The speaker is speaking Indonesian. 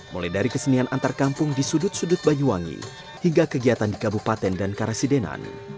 mulai dari kesenian antar kampung di sudut sudut banyuwangi hingga kegiatan di kabupaten dan karasidenan